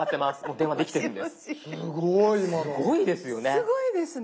すごいですよね。